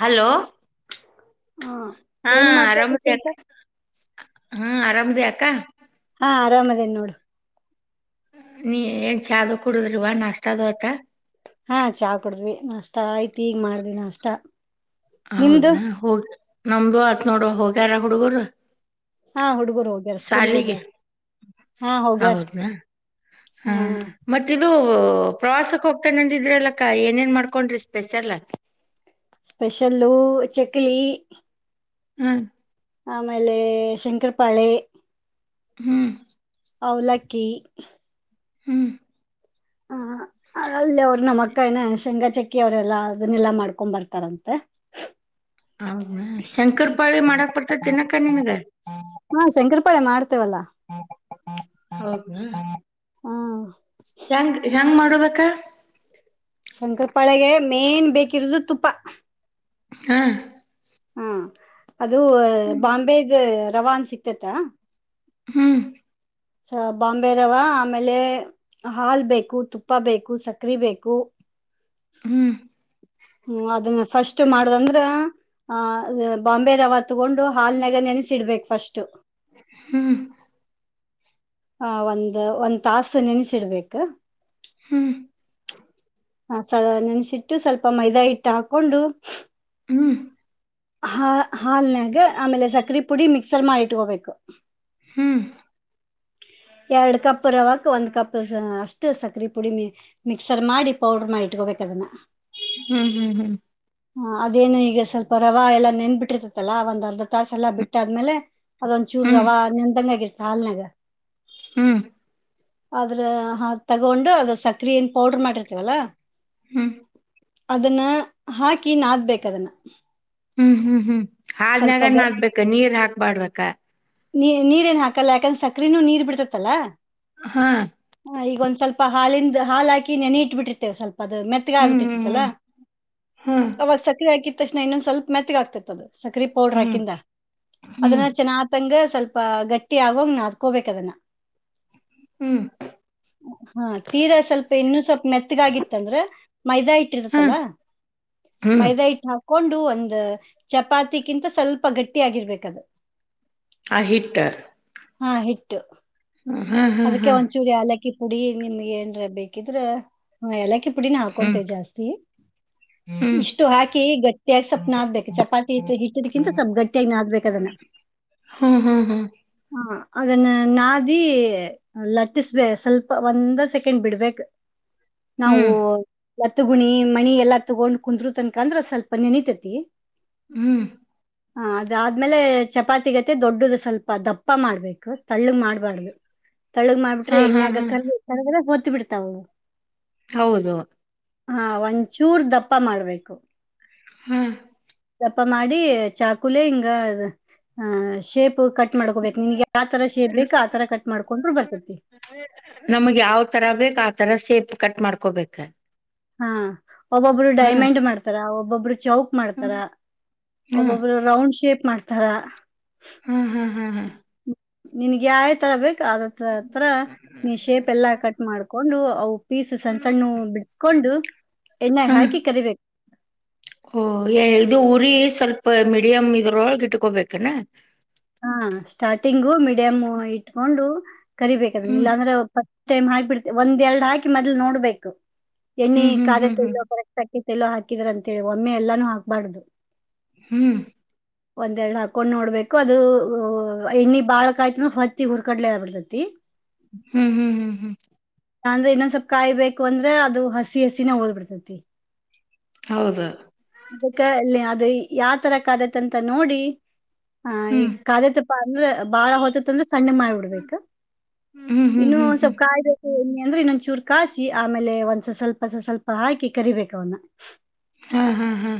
Hello. ಹ. ಹಾ ಆರಾಮದ ಆಗ್ ಹಾ ಆರಾಮದ ಆಗ್ತ. ಕಾ. ಹಾ ಆರಾಮ್ದೇನ್ ನೋಡು. ನೀ ಏನ್ ಚಾದ ಕುಡುದ್ರಿವಾ ನ ಅಷ್ಟ ಅದು್ ಆಯ್ತಾ. ಹಾ ಚಾ ಕುಡುದ್ವಿ ಮಷ್ಟ ಆಯ್ತ. ಹೀಗ ಮಾಡ್ದ್ವೀ ನಾಷ್ಟ ನಿಮ್ದು ಹೌದಾ ಹೋಗ. ನಮ್ದು ಆತ್ ನೋಡು ಹೋಗ್ಯಾರ ಹುಡುಗರು. ಹಾ ಹುಡುಗರು ಹೋಗ್ಯಾರ ಸ್ಕೂಲಿಗ್ ಶಾಲಿಗೆ ಹೋಗ್ಯಾರ ಹಾ ಹೋಗ್ಯಾರ ಹೌದನಾ ಹಾ ಮತ್ತಿದದು. ಪ್ರವಾಸಕ್ ಹೋಗ್ತಾನಂದಿದ್ರ ಅಲ್ಲಕ್ಕ ಏನೇನ್ ಮಾಡ್ಕೊಂಡ್ರಿ ಸ್ಪೆಷಲ್. ಸ್ಪೆಷಲ್ಲೂ ಚಕ್ಲಿ ಹ್ಮ್ ಆಮೇಲೆ ಶಂಕರ ಪಾಳೆ ಹ್ಮ್. ಅವಲಕ್ಕಿ. ಹ್ಮ್. ಅಲ್ಲ ಅವ ನಮಕ್ಕಾಯನೆ ಶಂಗಾ ಚ. ಕಿ ಅವರೆಲ್ಲಾ ಅದನ್ನೆಲ್ಲಾ ಮಾಡ್ಕೊ್ ಬರ್ತಾರಂತೆ. ಹೌದ ಶಂಕರ್ ಪಾಳಿ ಮಾಡಕ್ ಬರ್ತ ಮತ್ತ ತಿನ್ನಕ್ಕ ನಿಮ ಇದೆ ಹಾ ಶಂಕರಪಾಳೆ ಮಾಡ್ತ ವಲ್ಲ ಹ ಹ ಹ ಹಾ ಹೆಂಗ್ ಹೆಂಗ್ ಮಾಡ ನಡ್ಬೇಕ ಶಂಕರ ಪಾಳೆಗೆ ಮೇನ್ ಬೇಕಿರೋದು ತುಪ್ಪ ಹಾ ಹಾ ಅದು ಹ್ಮ್ ಬಾಂಬೆದು. ರವನ್ ಸಿಗ್ತತ. ಹ್ಮ್. ಬಾಂಬೆ ರವ ಆಮೇಲೆ ಹಾಲ್ ಬೇಕು ತುಪ್ಪ ಬೇಕು ಸಕ್ರೆ ಬೇಕು. ಹ್ಮ್. ಹ್ಮ ಅದನ್ನ ಫಸ್ಟ್ ಮಾಡದಂದ್ರ ಆ ಬಾಂಬೆ ರವ. ತಗೊಂಡು ಹಾಲ್ನಾಗ ನೆನಸಿಡ್ಬೇಕು. ಫಸ್ಟ್ ಹ್ಮ್ ಹ ಒಂದ್ ಒಂದ್ ತಾಸು ನೆನ್ಸಿಡ್ಬೇಕು ಹ್ಮ್ ಹ ಸ ನೆನ್ಸಿಟ್ಟು ಸ್ವಲ್ಪ ಮೈದಾ ಇಟ್ಟು ಹಾಕೊಂಡು ಹ್ಮ್ ಹಾ ಹಾಲ್ನ್ಯಾಗ ಆಮೇಲೆ ಸಕ್ರೆ ಪುಡಿ ಮಿಕ್ಸರ್ ಮಾಡಿ ಇಟ್ಕೋಬೇಕು ಹ್ಮ್ ಹ್ಮ್ ಎರಡ್ ಕಪ್ ರವಕ್ ಒಂದ್ ಕಪ್ ಅಷ್ಟು ಸಕರೆೆ ಪುಡಿ ಮ ಮಿಕ್ಸರ್ ಮಾಡಿ ಪೌಡ್ರ ಮಾಡಿ ಇಟ್ಕೋಬೇಕ ಅದನ್ನ. ಹ್ಮ್ ಹ್ಮ್ ಹ್ಮ್. ಹ ಅದೇನು ಈಗ ಸ್ವಲ್ಪ ರವೆ ಎಲ್ಲ ನೆಂದ ಬಿಿಟ್ಟಿರ್ತತಲ್ಲ ಒಂದ್ ಅರ್ಧ. ತಾಸ ಎಲ್ಲ ಬಿಟ್ಟಾದ್ಮೇಲೆ ಅದೊಂದ ಚೂರು ಹ್ಮ್ ರವ ನೆಂದಂಗ ಆಗ ಇರ್ತ ಸಾಲ್ನೆಗ ಹ್ಮ್ ಆದ್ರ ತಗೊಂಡು ಅದ ಸಕ್ರ ಏನ್ ಪೌಡ್ರ ಮಾಡಿರ್ತೇವಲ್ಲಾ ಹ್ಮ್ ಅದನ್ನ ಹಾಕಿ ನಾದ್ಬೇಕದನ್ನ ಹ್ಮ್ ಹ್ಮ್ ಹ್ಮ್ ಆದ್ನಾಗನ್ದಬೇಕ ನೀರ್ ಹಾಕ್ಬಾರ್ದ ನೀ ನೀರ್ ಏನ್ ಹಾಕಲ್ಲ ಯಾಕಂದ್ರೆ ಸಕ್ರನೂ ನೀರ್ ಬಿಡ್ತತ್ತಲ್ಲಾ ಹಾ ಹ ಈಗ ಒಂದ್ ಸ್ವಲ್ಪ ಹಾಲಿಂದ ಹಾಲ ಹಾಕಿ ನೆನೆ ಇಟ್ಟಬಿರ್ತವೆ ಸ್ವಲ್ಪ ಅದು ಮೆತ್ತಗೆ ಹ್ಮ್ ಆಗ್ಬಿಟ್ಟಿರ್ತದಲ ಹ್ಮ್ ಹ್ಮ್ ಅವಾಗ ಸಕ್ಕರೆ ಹಾಕಿ ತಕ್ಷಣ ಇನ್ನೊಂದು ಸ್ವಲ್ ಮತ್ತಗಾಗಗ್ತಿರ್ತದೆ ಸಕ್ರೆ ಪೌಡ್ರ ಹ್ಮ್ ಹಾಕಿಂದ ಹ್ಮ್ ಅದನ್ನ ಚೆನ್ನ ಂಗ ಸ್ವಲ್ಪ ಗಟ್ಟಿ ಆಗಂಗ ನ ಅದಕೋಬೇಕದನ್ನ ಹ್ಮ್ ಹಾ ತೀರಾ ಸ್ವಲ್ಪ ಇನ್ನು ಸ್ವಲ್ಪ ಮೆತ್ತಗಾಗಿತ್ತ ಅಂದ್ರ ಮೈದಾ ಇಟ್ಟ ಹ್ಮ್ ಇರ್ತತ್ತಲ್ಲ ಹ್ಮ್ ಹ್ಮ್ ಮೈದಾ ಇಟ್ಟು ಹಾಕೊಂಡು ಒಂದು ಚಪಾತಿಗಿಂತ ಸ್ವಲ್ಪ ಗಟ್ಟಿ ಆಗಿರ್ಬೇಕದು ಆಹಿಟ್ಟ ಹಾ ಹಿಟ್ಟು ಅದಕ್ಕೆ ಹಾ ಒಂಚೂರಿಯ ಅಲ್ಲ ಿ ಪುಡಿ ನಿಮ್ಗೆ ಏನ್ ಬೇಕಿದ್ರ ಎಲ್ಲಕ್ಕಿ ಪುಡಿನ ಹ್ಮ್ ಹಾಕೊಂತೇವಿ ಜಾಸ್ತಿ ಹ್ಮ್ ಇಷ್ಟು ಹಾಕಿ ಗಟ್ಟಿಯಾಗಿ ಸ್ವಪ್ ನಾದಬೇಕು ಚಪಾತಿ ಇಟ್ಟದಕಿಂತ ಸ್ವಲ್ಪ್ ಗಟ್ಟಿಯಾಗಿ ನಾದಬೇಕು ಅದನ್ನ ಹ್ಮ್ ಹ್ಮ್ ಹ್ಮ್ ಹ ಅದನ್ನು ನಾದಿ ಲಟ್ಟಿಸ್ಬೇ ಸ್ವಲ್ಪ ಒಂದ ಸೆಕೆಂಡ್ ಬಿಡ್ಬಕ್ ನಾವು ಹ್ಮ್ ಲತ್ತ ಗುಣಿ ಮಣಿ ಎಲ್ಲಾ ತಗೊಂಡ್ ಕುಂದರು ತನ್ಕಂದ್ರ ಸ್ವಲ್ಪ ನೆನತತಿ ಹ್ಮ್ ಹ ಅದಾದ್ಮೇಲೆ ಚಪಾತಿಗತಿ ದೊಡ್ಡದು ಸ್ವಲ್ಪ ದಪ್ಪ ಮಾಡ್ಬೇಕು ತಳ್ಳಗ್ ಮಾಡ್ಬಾರ್ದು ತಳಗ್ ಮಾಡಿಬಿಟ್ರ ಹಾ ಹಾ ಎಣ್ಣ ಹಾ ಆಗಕ ಕುತ್ತು ಬಿಿಡತಾವ. ಹೌದು. ಹಾ ಒಂಚೂರ್ ದಪ್ಪ ಮಾಡ್ಬೇಕು. ಹೂ. ದಪ್ಪ ಮಾಡಿ ಚಾಕುಲೆ ಹಿಂಗ ಶೇಪ್ ಕಟ್ಟ. ಕ ಮಾಡ್ಕೋಬೇಕು ನಿನ್ಗೆ ಯತರ ಶೇಪ್ ಬೇಕು ಆತರ ಕಟ್ ಮಾಡ್ಕೊಂಡ್ರು ಬರ್ತತಿ. ನಮಗ್ ಯಾವ ತರ ಬೇಕ್ ಆ ತರ ಸೇಪ್ ಕಟ್ ಮಾಡ್ಕೊಬೇಕ. ಹಾ ಒಬ್ಬೊಬ್ರು ಡೈಮಂಡ್ ಮಾಡ್ತಾರ ಒಬ್ಬೊಬ್ಬರು ಚೌಕ್ ಮಾಡ್ತಾರ ಹ್ಮ್ ಹ್ಮ್ ಒಬ್ಬೊಬ್ರು ರೌಂಡ್ ಶೇಪ್ ಮಾಡ್ತಾರೆ. ಈ ತರ. ಹ್ಮ್ ಹ್ಮ್ ಹ್ಮ್ ಹ್ಮ್. ನಿನ್ಗೆ ಯಾವ ತರ ಬೇಕು. ಅದತ್ರ ನೀ ಶೇಪ್ ಎಲ್ಲಾ ಕಟ್ ಮಾಡ್ಕ. ಹೊಂಡು. ಪೀಸು ಸಣ್ಣ ಸಣ್ಣು ಬಿಡಿಸಕೊಂಡು. ಹಾ ಓ ಇದು ಉರಿ. ಸ್ವಲ್ಪ ಮೀಡಿಯಂ್ ಇದ್ರೊಳಗೆ ಇಟ್ಕೋಬೇಕನೆ. ಹಾ ಸ್ಟಾರ್ಟಿಂಗು ಮಿಡಿಯಮ್ ಇಟ್ಕೊಂಡು. ಕರಿಬೇಕದ ಹ್ಮ್ ಇಲ್ಲಾಂದ್ರೆ. ಟೈಮ್ ಹಾಕ್ಿಬಿಡ್ತೆೆಂದ ಎರಡ್ ಹಾಕಿ ಮೊ್ಲು ನೋಡ್ಬೇಕು. ಎಣ್ಣೆ ಹ್ಮ್ ಹ್ಮ್ ಕಾದ ಹ್ಮ್ ತ ಹ್ಮ್ ಎಲ್ಲೋ ಕರೆಕ್ಟ್ಾಕಿ. ಎಲ್ಲೋ ಹಾಕಿದ್ರ ಅಂತೇಳಿ ಒಮ್ಮೆ ಎಲ್ಲಾನು ಹಾಕ್ಬಾರ್ದು. ಹ್ಮ್. ಒಂದ್ ಎರಡ್ ಹಾಕೊಂಡ್ ನೋಡ್ಬೇಕು. ಅದು್ ಎಣ್ಣಿ ಬಾಳಕಾಯ್ತನ ಹೊತ್ತಿ ಹುರ್ಕಡ್ಲೆ ಆಬಡ್ತತಿ. ಹ್ಮ್ ಹ್ಮ್ ಹ್ಮ್ ಹ್ಮ್. ಅಂದ್ರೆ ಇನ್ನೊಂದ್ ಸ್ವಪ್ ಕಾಯಿ ಬೇಕು ಅಂದ್ರೆ ಅದು ಹಸಿ ಹಸಿನ ಓದಬಿಡ್ತತಿ. ಹೌದು. ಅದಕ್ಕೆ ಇಲ್ಲಿ ಅದು ಯಾವ ತರಕ್ಾದತ್ ಅಂತ ನೋಡಿ. ಹ ಹ್ಮ್ ಈಗ ಕಾದೆ ತುಪ್ಪ ಅಂದ್ರ ಬಾಳ ಹೊತತ್ ಅಂದ್ರೆ ಸಣ್ಣ ಮ ಬಿಡ್ಬೇಕು ಹ್ಮ್ ಹ್ಮ್ ಇನ್ನು ಹ್ಮ್ ಒಂದ್ ಹ್ಮ್ ಸ್ವಲ್ಪ ಕಾಯ್ದ. ಅಂದ್ರೆ ಇನ್ನೊಂದ್ಚೂರ್ ಕಾಯಾಸಿ ಆಮೇಲೆ ಒಂದ್ಸ ಸ್ವಲ್ಪಸ ಸ್ವಲ್ಪ ಹಾಕಿ ಕರಿಬೇಕ ಅವನ್ನ. ಹಾ ಹಾ ಹಾ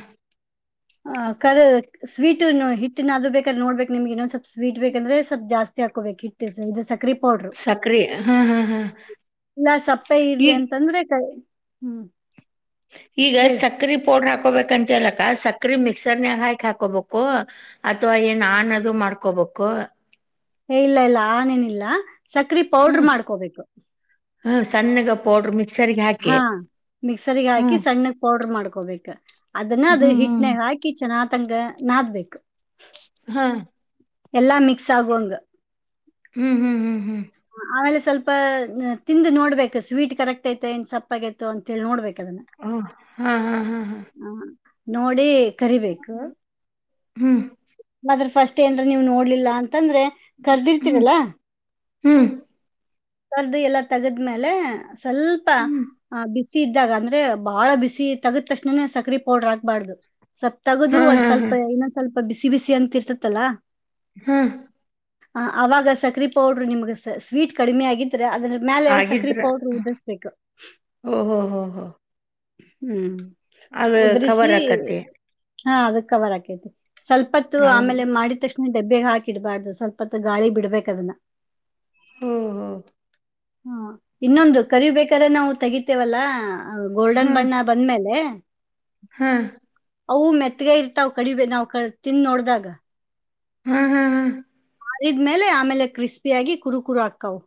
ಹ ಕರೆ. ಸ್ವೀಟ ಹಿಟ್ಟಿನ ಅದು ಬೇಕು. ನೋಡ್ಬೇಕಮ್ಗೆನ್ನೊ ಸ್ವಲ್ ಸ್ವೀಟ್ ಬೇಕಂದ್ರೆ ಸ್ಲ್ಪ್ ಜಸ್ ಹಾಕಬೇಕಕ್ ಟ್. ಇದು ಸಕ್ರೆ ಪೌಡ್ರು ಸಕ್ರಿ ಹಾ ಹಾ ಹಾ ಇಲ್ಲ ಸಪ್ಪೆ ಇಡ್ಲಿ ಈಗ್ ಅಂತಂದ್ರೆ ಕಾಯ. ಹ್ಮ್. ಈಗ ಹೇಳು ಸಕ್ಕ್ರೆ ಪೋರ್ ಹಾಕೋಬೇಕಂತಲ್ಲ. ಸಕ್ರಿ ಮಿಕ್ಸರ್ ನ್ಯಾಗ ಹಾಕೀ ಹಾಕೋಬೇಕು ಅಥವಾ ಏನ್ ಆನ ಅದು ಮಾಡ್ಕೋಬೇಕು. ಏ ಇಲ್ಲ ಇಲ್ಲ ಆನ್ ಏನ್ನಿಲ್ಲ. ಸಕ್ರಿ ಪೌಡರ್ ಮಾಡ್ಕೋಬೇಕು. ಹ ಸಣ್ಣಗ ಪಡ್ರ ಮಿಕ್ಸ್. ಹಾ ಮಿಕ್ಸರ್ ಹಾಕಿ ಸಣ್ಣ ಪೌಡರ್ ಮಾಡ್ಕೊ. ಕೊಬೇಕ. ಅದನ್ನ ಅದು ಹ್ಮ್ ಹ್ಮ್ ಹಿಟ್ನಾಗ ಹಾಕಿ ಚೆನ್ನಾಗಿ. ತಂಗ ನಾದ್ಬೇಕು. ಹಾ ಎಲ್ಲಾ ಮಿಕ್ಸ್ ಆಗುವಂಗ. ಹ್ಮ್ ಹ್ಮ್ ಹ್ಮ್ ಹ್ಮ್ ಆಮೇಲೆ. ಸ್ವಲ್ಪ ತಿಂದು ನೋಡ್ಬೇಕು ಸ್ವೀಟ್ ಕರೆಕ್ಟ್ ಐತಿ ಏನ್ ಸಪ್ಪ ಆಗೈತ ಅಂತ ಹೇಳಿ ನೋಡ್ಬೇಕು. ಅದನ್ನ ಓ ಹಾ ಹಾ ಹಾ ಹಾ. ಆ, ನೋಡಿ. ಕರಿಬೇಕು. ಹ್ಮ್ ಆದ್ರ ಫಸ್ಟ್ ಏನ್ರ ನೀವು ನೋಡ್ಲಿಲ್ಲ ಅಂದ್ರ. ಅಂತಂದ್ರೆ ಹ್ಮ್ ಕರ್ದಿರ್ತೀರಲ್ಲ ಹ್ಮ್. ಕರ್ದು ಎಲ್ಲಾ ತಗದ್ಮೇಲೆ. ಸ್ವಲ್ಪ ಹ್ಮ್ ಆ ಬಿಸಿ ಬಿಸಿ ಇದ್ದಾಗ ಅಂದ್ರೆ ಬಾಳ ಬಿಸಿ ತಗ್ದ ತಕ್ಷಣನೇ ಸಕ್ರಿ ಪೌಡರ್ ಹಾಕ್ಬಾರ್ದು. ಸ್ವಪ್ ತಗೋದು ಹಾ ಹಾ ಒಂದ್ ಸ್ವಲ್ಪ ಹಾ ಇನ್ನೊಂದ್ ಸ್ವಲ್ಪ. ಬಿಸಿ ಬಿಸಿ ಅಂತ ಇರ್ತತಲ್ಲಾ. ಹ್ಮ ಹ ಅವಾಗ ಸಕ್ರಿ ಪೌಡ್ರ ನಿಮ್ಗೆ ಸ್ವೀಟ್. ಕಡಿಮೆ ಆಗೆತಿ. ಅದ್ರ ಮೇಲೆ ಸಕ್ರಿ ಆಗಿದ್ರ ಪೌಡ್ರ ಉದ್ರಸಬೇಕ್. ಓಹೋ ಹೋ ಹೋ ಹ್ಮ್ ಅದು ಉದ್ರಿಸಿ ಕವರ್ ಆಕಟ್ಟೆ. ಹಾ ಅದ ಕವರ್ ಆಕೈತಿ. ಸ್ವಲ್ಪತ್ತು ಹೌದು ಆಮೇಲೆ ಮಾಡಿದಷ್ಟ. ಡಬ್ಬ್ಯಾಗ ಹಾಕಿಡ್ಬಾರ್ದು ಸ್ವಲ್ಪತ್ತು ಗಾಳಿಗ ಬಿಡ್ಬೇಕ ಅದನ್ನ. ಹ್ಮ್ ಹ್ಮ್. ಹ್ಮ ಇನ್ನೊಂದು ಕರಿಬೇಕಾದ್ರೆ ನಾವು ತೆಗಿತೇವಲ್ಲಾ. ಹೌದು ಗೋಲ್ಡನ್ ಹಾ ಬಣ್ಣ ಬಂದ್ಮೇಲೆ ಹಾ ಅವು ಮೆತ್ತಗೆ ಇರ್ತಾವ್ ಕಡಿ ನಾವ್ ಕ ತಿಂದ ನೋಡ್ದಾಗ ಹ್ಮ ಹುಂ ಹಾ ಕಳಿದ್ಮೇಲೆ ಆಮೇಲೆ ಕ್ರಿಸ್ಪಿಯಾಗಿ ಕುರು ಕುುರು ಹಾಕ್ಕವು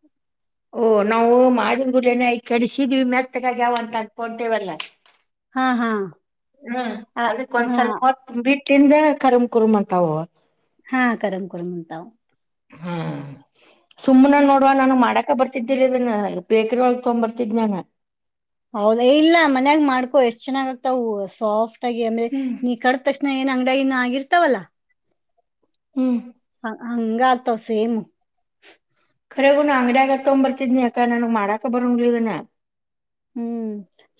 ಓಹ ನಾವು ಮಾಡಿದ್ ಗುಡನಲೆ ಕಡಿಸಿದೀವಿ ಮೆತ್ತಗಾಗ ಯಾವ ಅಂತ ಅನ್ಕೊಂತೇವಲ್ಲ ಹಾ ಹಾ ಹ್ಮ್ ಅದಕ್ಕ ಒಂದ್ ಹಾ ಸ್ವಲ್ಪ ಹೊತ್ತು ಬಿಟ್ಟ ತಿಂದ ಕರಂ ಕುರುಂ ಅಂತವ ಅವ. ಹಾ ಕರಮ್ ಕುರಾಮ್ ಅಂತವ. ಹಾ ಸುಮ್ಮ್ನ ನೋಡುವ ನು ಮಾಡಕ್ ಯ ಬರ್ತಿದ್ದಿರಿನ್ನ ಬೇಕರಿ ಒಳಗ ಬರ್ತಿದ್ ನಾನ ಹೌದ ಇಲ್ಲ ಮನ್ಯಾಗ್ ಮಾಡ್ಕೊ ಎಷ್ಟು ಚೆನ್ನಾಗ ಆಗ್ತಾವು ಸಾಫ್ಟ್ ಹ್ಮ್ [inaudible] ಏನ್ ಅಂಗಡ ಇನ್ನು ಆಗಿರ್ತಾವಲ್ಲಾ ಹ್ಮ್ ಹ ಹಂಗಾತ ಸೇಮ ಕರೆಗುನ ಅಂಗಡಿಯಾಗತೋಗಂಡ ಬರ್ತಿದ್ನಿ ಅಕ್ಕ ನಾನು ಮಾಡಾಕ ಬರ್ಲನ ಹ್ಮ್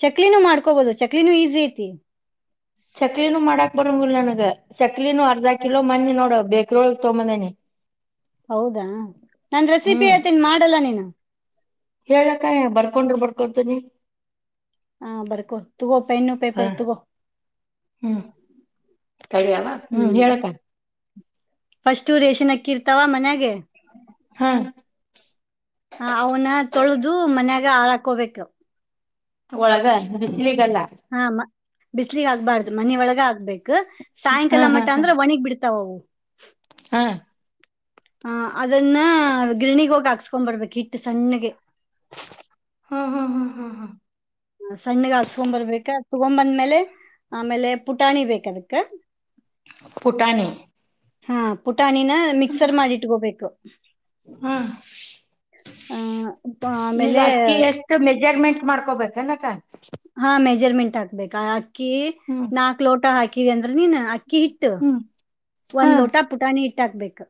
ಚಕ್ಲಿನೂ ಮಾಡ್ಕೋಬೋದು ಚಕ್ಲಿನೂ ಈಸಿ ಐತಿ ಚಕ್ಲಿನೂ ಮಾಡಕ್ ಬರಂಗಿಲ್ಲ ನ ಚಕ್ಲಿನೂ ಅರ್ಧ ಕಿಲೋ ಮಣ್ಣಿ ನೋಡ ಬೇಕ್ರೊಳಗ್ ತೊಂಬದೇನಿ ಹೌದಾ ನನ್ ರೆಸಿಪಿ ಅತೀನ್ ಮಾಡಲ್ಲ ನೀನು ಹೇಳಕ್ಕ ಬರ್ಕೊಂಡರು ಬರ್ಕೊತನಿ ಹಾ ಬರ್ಕೊ ತಗೋ ಪೆನ್ನು ಹ ಪೇಪರ್ ತಗೋ ಹ್ಮ್ ತಡಿಯವ ಹ್ಮ್ ಹೇಳಕ್ಕ ಫಸ್ಟ್ ರೇಷನ್ ತಾವ ಮನ್ಯಗೆ ಹಾ ಹ ಅವನ ತೊಳೆದು ಮನ್ಯಾಗ ಈಗ ಹಳಕಬೇಕು ಒಳಗ ಬಿಸ್ಲಿಗಲ್ಲ ಹಾ ಬಿಸ್ಲಗ್ ಆಗ್ಬಾರ್ದು ಮನ ಒಳಗ ಆಗ್ಬೇಕೇು ಹಾ ಸಾಯಂಕಾಲ ಹಾ ಮಠ ಹಾ ಅಂದ್ರ ಒಣಿಗ್ ಬಿಡ್ತಾವವು ಹ್ಮ ಹ ಅದನ್ನ ಗಿರಣಿ ಹೋಗಿ ಹಾಕ್ಸ್ಕೊಂಡ್ ಬರ್ಬೇಕು ಹಿಟ್ಟು ಸಣ್ಣಗೆ. ಹಾ ಹಾ ಹಾ ಹಾ ಹಾ ಸಣ್ಣಗ ಹಾಕ್ಸ್ಕೊಂಬರ್ ಬೇಕ ತಗೊ ಅಂದ್ಮೇಲೆ ಆಮೇಲೆ ಪುಟಾಣಿ ಬೇಕ ಅದಕ್ ಟಾನೆ ಹಾ ಪು ಪಟಾಣಿನ ಮಿಕ್ಸರ್ ಮಾಡಿಟ್ಕೋಬೇಕು ಹಾ ಆ ಆಮೇಲೆ ಮಾಡ್ಕೋಬೇಕು ಏನ ಟೈ ಹಾ ಮೇ ಮೆಜರ್ಮೆಂಟ್ ಹಾಕ್ಬೇಕಾ? ಹಾಕಿ ಹ್ಮ್ ನಾಲ್ಕ್ ಲೋಟ ಹಾಕಿ [inaudible] ನಿನ ಅಕ್ಕಿ ಹಿಟ್ಟು ಹ್ಮ್ ಹಾ ಒಂದ್ ಲೋಟ ಪುಟಾಣಿ ಇಟ್ಟ ಹಕ್ಬೇಕು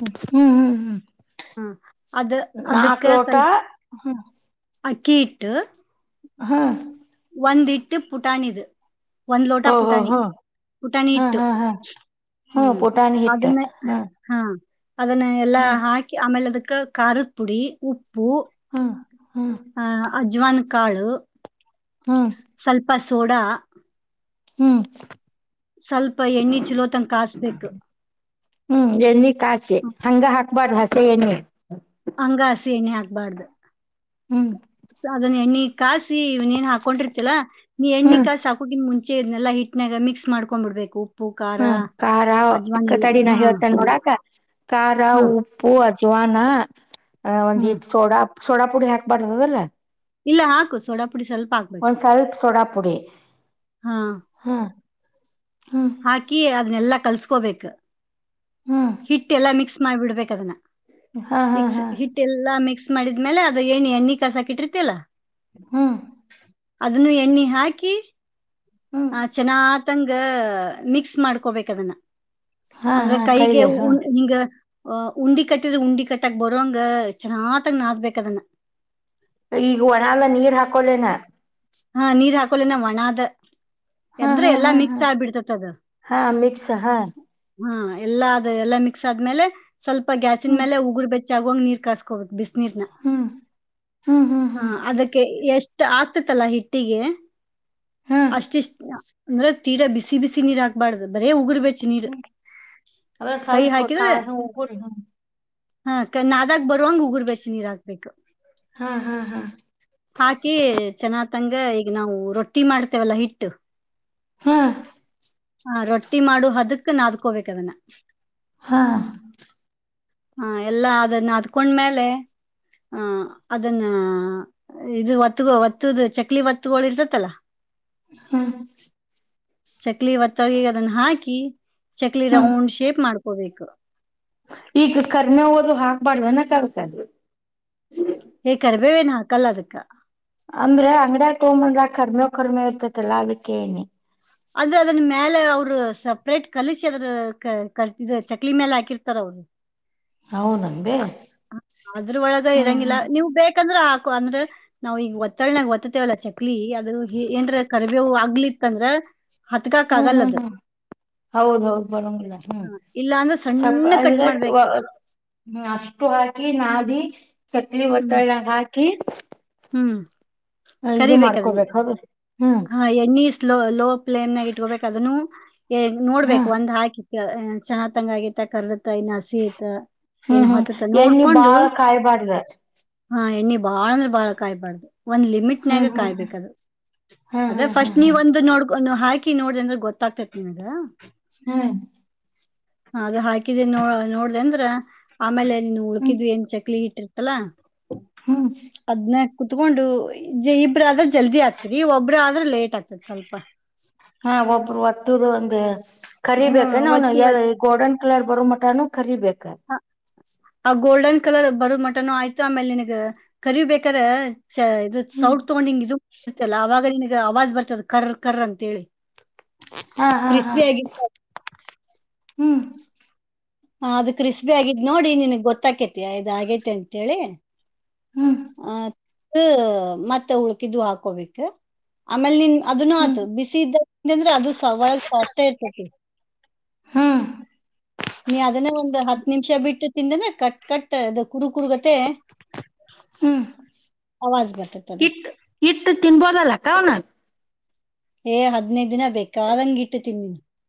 ಹ್ಮ್ ಹ್ಮ್ ಹ್ಮ್ ಹ್ಮ ನಾಲ್ಕ್ ಲೋಟಾ ಹ್ಮ ಅಕ್ಬಿಟ್ಟು ಹಾ ಬಂದಿಟ್ಟ ಪುಟಾಣಿದ. ಒಂದ್ ಲೋಟ ಹೋ ಹೋ ಪುಟಾಣಿ ಹೋ ಪುಟಾಣಿ ಹಾ ಇಟ್ಟು ಹಾ ಹಾ ಹ್ಮ್ ಪುಟಾಣಿ ಹಿಟ್ಟ ಅದನ್ನೇ ಹ್ಮ್ ಹಾ ಅದನ್ನ ಎಲ್ಲಾ ಹ್ಮ್ ಹಾಕಿ ಆಮೇಲೆ ಅದಕ್ಕೆ ಕಖಾರಕ್ ಪುಡಿ ಉಪ್ಪು ಹಾ ಹಾ ಅಜ್ವನ್ ಕಾಳು ಹ್ಮ ಪಸೋಡ ಹ್ಮ್ ಎಣ್ಣಿ ಚಲೋ ತಂಗ ಕಾಸ್ಬೇಕು ಹ್ಮ್ ಎಲ್ಲಿ ಕ ಹಂಗ ಅಖಬಾರ ಭಷೆ ಎನ ಸೀಣಿ ಆಗ್ಬಾರ್ದು. ಹ್ಮ್ ಸೊ ಅದನ ಎಣ್ಣಿ ಕಾಸಿ ನೀನ್ ಹಾಕೊಂಡಿರ್ತಿಲ್ಲಾ ನೀ ಎಣ್ಣಿ ಹ್ಮ್ ಕಾರ ಹಾಕೋಗನ್ ಮುಂದೆ ಚ ಇದದ್ನೆಲ್ಲ ಹಿಟ್ನಾಗ ಮಿಸ್ ಮಾಡಕೊಂಡ್ ಬಿಡ್ಬೇಕು. ಖಾರ ಹ್ಮ ಖಾರ ಅಜ್ವಾನ್ ಎಲ್ಲ ಕತಡಿನ ಹಾ ಹೇಳ್ತಾನ ನೋಡಾಕ ಕಾರಾ ಹಾ ಉಪ್ಪು ಅ ಶುವಾನ ಒಂದು ಇ ಹ್ಮ್ ಸೋಡಾ ಸೋಡಾ ಪುಡಿ ಹಾಕ್ಬಾರ್ದದಲ್ಲ ಇಲ್ಲ ಹಾಕು ಸೋಡಪುಡಿ ಸ್ವಲ್ಪ ಹಾಕ್ಬೇಕು ಹಾ ಹಾಗಾ ಕ ಅದನ್ನಲ್ಲಾ ಕಲ್ಸ್ಕೋಬೇಕು ಹ್ಮ್ ಹಿಟ್ಟ ಎಲ್ಲಾ ಮಿಕ್ಸ್ ಮಾಡ್ಬಿಡ್ಬೇಕು ಅದನ್ನ. ಹಾ ಹಾ ಇಕ್ಸ್ ಹಾ ಹಿಟ್ ಎಲ್ಲಾ ಮಿಕ್ಸ್ ಮಾಡಿದ್ಮೇಲೆ ಅದು ಅದು ಎಣ್ಣೆ ಏನು ಕಾಯಿಸಕ್ಕೆ ಇಟ್ಟಿರ್ತೀಯಲ್ಲ ಹ್ಮ ಅದನ್ನು ಎಣ್ಣೆ ಹಾಕಿ ಹ್ಮ್ ಆ ಚೆನಾ ತಂಗ ಮಿಕ್ಸ್ ಮಾಡ್ಕೋಬೇಕ ಅದನ್ನ ಹಾ ಅಂದ್ರೆ ಹಾ ಕೈಗೆ ಕೈಲೆ ಹಾ ಹಿಂಗ ಅ ಉಂಡಿ ಕಟ್ಟಿದ್ರೆ ಉಂಡಿ ಕಟ್ಟಕ್ ಬರಂಗ ಚೆನ್ನತಂಗ ನಾದ್ಬೇಕಕ್ ಅದನ್ನ ಈಗ ಒಣ ಎಲ್ಲ ನೀರ್ ಹಾಕಲೇನ ಹಾ ನೀರ್ ಹಾಕೋಲನ ಒಣ ಅದ ಹಾ ಹಾ ಹಾ ಹಾ ಹಾ ಅಮತ್ ಸ ಹಾ ಹಾ ಎಲ್ಲಾ ಅದು ಎಲ್ಲಾ ಮಿಕ್ಸ್ ಆದ್ಮೇಲೆ ಸ್ವಲ್ಪ ಗ್ಯಾಸಿನ ಹ್ಮ್ ಮೇಲೆ ಉಗುರು [unintelligible] ಚಗಂಗ್ ನೀರ್ ಕಸ್ಕೋಬೇಕ ಬಿಸ್ ಹ್ಮ್ ಹ್ಮ್ ಹ್ಮ್ ಹ್ಮ್ ಆತ ತಲಾ ಹಿ ಇಟ್ಟಿಗೆ ಹ್ಮ್ ಅಷ್ಟಿಷ್ಟ ಅಂದ್ರೆ ತೀರಾ ಬಿಸಿ ಬಿಸಿ ನೀರು ಹಾಕ್ಬಾರ್ದು ಬರೇ ಉಗರು ಬಿಟ್ಟ ಹ್ಮ್ ಅದೇ ಸ್ವಲ್ಪ ಹಾಕಿದ್ರ ಕಾಯ ಹ ಉಗು ಹ್ಮ ಹಾ ನ ಬರುವಂಗ ಉಗುರು ಬೆಚ್ಚ ನೀರ್ ಹಾಕ್ಬೇಕು ಹಾ ಹಾ ಹಾ ಹಾಕಿ ಚೆನ್ನಾಗ ಹಂಗ ಈಗ ನಾವು ರೊಟ್ಟಿ ಮಾಡ್ತೇವಲ್ಲಾ ಹಿಟ್ಟು ಹಾ ಹ ರೊಟ್ಟಿ ಮಾಡು ಹದಕ್ಕ ನದ್ಕೋಬೇಕ ಅದನ್ನ ಹಾ ಹ ಎಲ್ಲಾ ಅದನ್ನ ಅದಕೊಂಡ್ಮೇಲೆ ಆಹ ಅದನ್ನ ಇದು ಒತ್ತಗ ಒತ್ತುದು ಚಕ್ ಮಕ್ಲಿ ಒತ್ಗಳು ಇರ್ತತಲ್ಲಾ ಹ್ಮ ಚಕ್ಲಿ ಒತ್ತೊಳ್ಗ ಅದನ್ನ ಹಾಕಿ ಚಕ್ಲಿ ಹ್ಮ್ ರೌಂಡ್ ಶೇಪ್ ಮಾಡ್ಕೋಬೇಕು. [inaudible] ಈಗ ಕರ್ಮೆ ಹಓದು ಹಾಕ್ಬಾರಡ್ದ ಅಕ್ಕ ಅದಕ್ ಹಕ ವಿವ ಏನ ಹಾಕಲ್ಲಾ ಅದಕ್ ಅಂದ್ರೆ ಅಂಗಡಿಯಾಗ ತೊಗೊಂಬಂದಾಗ ಕರ್ಮೆ ಕರ್ಮೆ ಇರ್ತತಲ್ಲಾ ಅದಕ್ಕೆ ಕೇಳಿದನಿ ಅಂದ್ರೆ ಅದನ್ ಮೇಲೆ ಅವರು ಸಪ್ರೇಟ್ ಕಲಿಸಿಿ ಅದ್ರ ಕರ್ತಿದ ಚಕ್ಲಿ ಮೇಲೆ ಹಾಕಿರ್ತಾರ ಅವರು ಹೌದನ್ಬೆ ಅ್ರ ಒಳಗ ಹ್ಮ್ ಇರಂಗಿಲ್ಲ ಹ್ಮ್ ನೀವು್ ಬೇಕಂದ್ರೆ ಆ ಅಂದ್ರ ನಾವ್ ಈಗ ಒತ್ತಳ್ನಾಗ ಒತ್ತತೇವಲ್ಲ ಚಕ್ಲಿ ಅದ್ರ ಏನ್ರ ಕರ್ಬೇ ಆಗ್ಲಿತ್ತ ಅಂದ್ರ ಹ್ಮ್ ಹ್ಮ್ ಹ್ಮ್ ಹೌದ ಹೌದು್ ಬರೋಂಗಿಲ್ಲ ಹ್ಮ್ ಇಲ್ಲ ಅಂದ್ರೆ ಸಣ್ಣ ಕಟ್ ಹ್ಮ ಮಾಡ್ಬೇಕು ಅಷ್ಟು ಹಾಕಿ ನಾದಿ. ಕರೀಮೇವು ಹ್ಮ್ ಒತ್ತಳ್ ನಾಗ ಹಾಕಿ ಹ್ಮ್ ಇದು ಕರಿಬೇಕ ಅದನ್ನ ಮಾಡ್ಕೋಬೇಕ ಹೌದುಲ ಹಾ ಎಣ್ಣಿ ಸ್ಲೋ ಲೋ ಫ್ಲೇಮ್ನಾಗ ಇಟ್ಕೋಬೇಕ್ ಅದನ್ನು ಹಾ ನೋಡ್ಬೇಕು ಒಂದ್ ಹಾಕಿ ಚಾ ತಂಗ ಆಗತ್ತ ಕರ್ಮೆ ಇತ್ತ ಇನ್ ಹಸೀತ ಏನು ಹ್ಮ್ ಹ್ಮ್ ಹೊತ್ತತ ಎಣ್ಣಿ ನೋಡ್ಕೊಂಡು ಬಾಳ ಕಾಯ್ಬಾರ್ದ ಹಾ ಎಣ್ಣೆ ಬಾಳ ಅಂದ್ರೆ ಬಾಳ ಕಾಯ್ಬಾರ್ದು ಒಂದ್ ಲಿಮಿಟ್ನ್ಯಾಗ ಹ್ಮ್ ಹ್ಮ್ ಹ್ಮ್ ಕಾಯ್ಬೇಕದು ಹ್ಮ್ ಅದೇ ಹ್ಮ್ ಫಸ್ಟ್ ಹ್ಮ್ ಹ್ಮ್ ನೀವ್ ಒಂದು ನೋಡ್ ಹಾಕಿ ನೋಡ್ದ ಅಂದ್ರೆ ಗೊತ್ತಾ ಗೊತ್ತಾಗತ್ತತೇತಿ ನಿನ್ಗ ಹ್ಮ್ ಅದು ಹಾಕಿದ್ದೀ ನೋ ನೋಡ್ದ ಅಂದ್ರ ಆಮೇಲೆ ನೀನು ಹ್ಮ್ ಉಳಿದ್ವಿ ಏನ್ ಚಕ್ಲಿ ಇಟ್ಟರತಿ ತ್ತಲಾ ಹ್ಮ್ ಅದ್ನ್ನೇ ಕುತ್ಕೊಂಡು ಇಬ್ರ ಆದ್ರೆ ಜಲ್ದಿ ಆಗ್ತರಿ ಒಬ್ರ ಆದ್ರ ಲೇಟ್ ಆಗ್ತತಿ ಸ್ವಲ್ಪ. ಹಾ ಒಬ್ರು ಒತ್ತದ ಒಂದು ಹಾ ಕರಿಬೇಕ ನ ಒತ್ತಿ ಅವನು ಒತ್ತಿ ಯಾರ ಗೋಲ್ಡನ್ ಕಲರ್ ಬರು ಮಟ ಕರಣ ಕರಿಬೇಕು. [unintelligible] ಆ ಗೋಲ್ಡನ್ ಕಲರ್ ಬರ ಮಟನು ಆಯ್ತು ಆಮೇಲೆ ನಿನ್ಗ ಕರಿ ಬೇಕಾರ ಚ ಇದು ಹ್ಮ್ ಸೌಡ್ ತೊಗೊಂಡಿಂಗ ಇದು ಇರ್ತಲ್ಲ ಆವಾಗ ನಿಿನಗೆ ಅವಾಜ್ ಬರ್ತದ ಕರ ಕರ ಅಂತೇಳಿ ಹಾ ಹಾ ಹಾ ಕ್ರಿಸ್ಪಿ ಆಗಿ. ಹ್ಮ್. ಹ ಅದು ಕ್ರಿಸ್ಪಿ ಆಗಿದ್ ನೋಡಿ ನಿಿನಗ್ ಗೊತ್ತಾಕೇತಿ ಇದ ಆಗೇತಿ ಅಂತೇಳಿ. ಹ್ಮ್ ಅಹ ಮತ್ತೆ ಉಳ್ಕಿದ್ದು ಹಾಕೋಬೇಕಕ್ ಆಮೇಲ್ ನಿನ್. ಅದ ನ ಹ್ಮ್ ಆತು ಬಿಸಿ ಇದ್ದ ಅಂದ್ರೆ ಅದು ಒಗ್ ಸಾಫ್ಟೇ ಇರ್ತತಿ. ಹ್ಮ್ ನ್ [unintelligible] ಅದನ ಒಂದು ಹತ್ತು ನಿಮಿಷ ಬಿಟ್ಟು ತಿಿಂದಂದ್ರೆ ಕಟ್ ಕಟ್ ಅ ಕುರು ಕುರುಗತೆ ಹ್ಮ್ ಅವಾಜ್ ಬರ್ತೈತಿ ಅದು ಇಟ್ ಇಟ್ಟು ತಿನ್ಬೋದಲ್ಲ ಕ ಅವನಾಗ ಏ ಹದ್ನೈದ ದಿನ ಬೇಕ ಆದಂಗ ಇಟ್ಟು ತಿಂದಿನ